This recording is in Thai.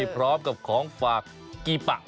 พร้อมกับของฝากกีปะ